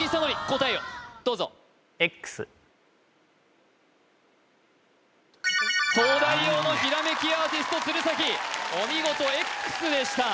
答えをどうぞ東大王のひらめきアーティスト鶴崎お見事Ｘでした